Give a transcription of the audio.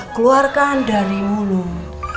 keluarkan dari mulut